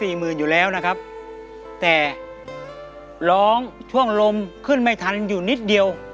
หมื่นอยู่แล้วนะครับแต่ร้องช่วงลมขึ้นไม่ทันอยู่นิดเดียว